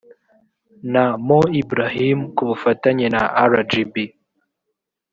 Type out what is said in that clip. na mo ibrahim ku bufatanye na rgb